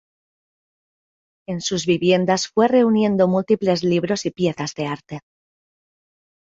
En sus viviendas fue reuniendo múltiples libros y piezas de arte.